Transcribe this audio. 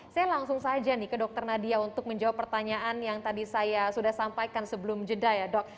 saya langsung saja nih ke dokter nadia untuk menjawab pertanyaan yang tadi saya sudah sampaikan sebelum jeda ya dok